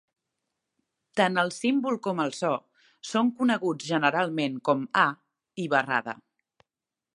Tant el símbol com el só són coneguts generalment com a i barrada.